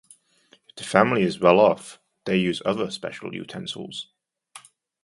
If the family is well off, they use other special utensils.